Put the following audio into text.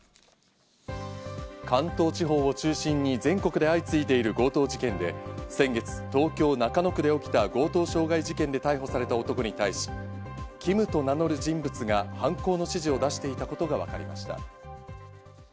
関東地方を中心に全国で相次いでいる強盗事件で先月、東京・中野区で起きた強盗傷害事件で逮捕された男に対し、ＫＩＭと名乗る人物が犯行の指示を出していたことがわかりました。